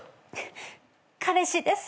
彼氏です。